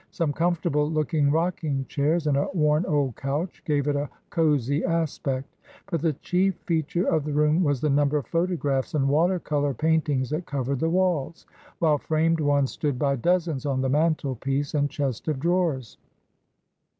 Some comfortable looking rocking chairs, and a worn old couch, gave it a cosy aspect; but the chief feature of the room was the number of photographs and water colour paintings that covered the walls, while framed ones stood by dozens on the mantelpiece and chest of drawers.